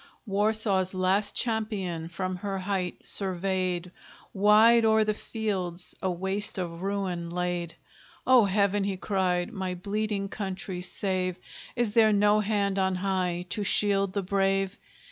Warsaw's last champion from her height surveyed, Wide o'er the fields, a waste of ruin laid O Heaven! he cried, my bleeding country save! Is there no hand on high to shield the brave?